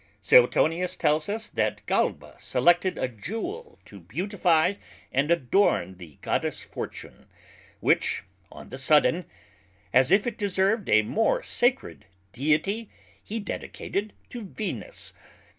Suetonius tells us, that Galba selected a Jewel to beautifie and adorn the Goddess Fortune; which (on the sudden) as if it deserved a more sacred Deity, he dedicated to Venus.